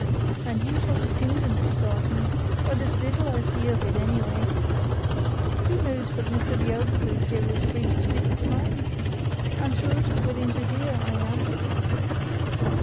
And you talk of tinderness, sargeant, but it's little I see of it, anyway. Who knows but Mr. Beelzeboob here is free to speak his mind? I'm sure it is willing to hear I am."